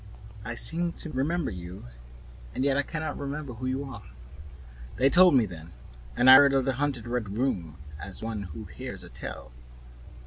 "I seem to remember you, and yet I can not remember who you are." They told me then, and I heard of the haunted Red Room as one who hears a tale.